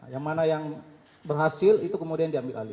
yang mana yang berhasil itu kemudian diambil alih